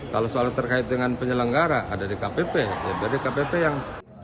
kalau soal terkait dengan penyelenggara ada di kpp ya ada di kpp yang